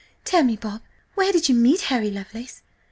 . Tell me, Bob, where did you meet Harry Lovelace?"